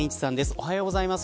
おはようございます。